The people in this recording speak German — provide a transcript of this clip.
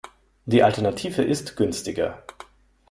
Die Alternative ist günstiger.